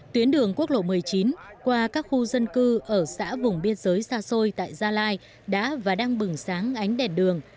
tuyến đường quốc lộ một mươi chín qua các khu dân cư ở xã vùng biên giới xa xôi tại gia lai đã và đang bừng sáng ánh đèn đường